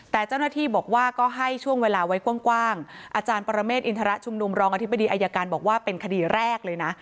แต่เจ้าหน้าที่บอกว่าก็ให้ช่วงเวลาไว้กว้างอาจารย์ปรเมฆอินทรชุมนุมรองอธิบดีอายการบอกว่าเป็นคดีแรกเลยนะ